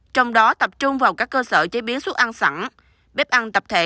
trong đó tập trung vào các cơ sở chế biến xuất ăn sẵn bếp ăn tập thể